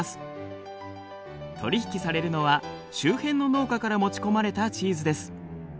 取り引きされるのは周辺の農家から持ち込まれたチーズです。